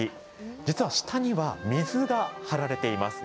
実は下には水が張られています。